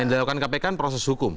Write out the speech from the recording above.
yang dilakukan kpk kan proses hukum